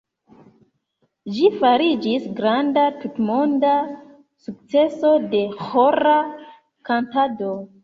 Ĝi fariĝis granda tutmonda sukceso de ĥora kantado.